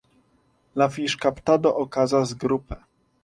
La fiŝkaptado okazas grupe.